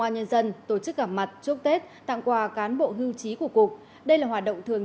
an nhân dân tổ chức gặp mặt chúc tết tặng quà cán bộ hưu trí của cục đây là hoạt động thường